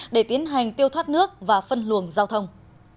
để tiến hành tiêu thoát nước và phân luồng giao thông